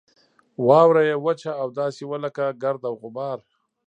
واوره یې وچه او داسې وه لکه ګرد او غبار.